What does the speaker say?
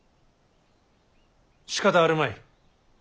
しかたあるまい。